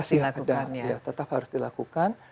masih ada tetap harus dilakukan